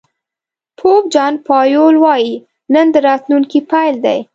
پوپ جان پایول وایي نن د راتلونکي پيل دی.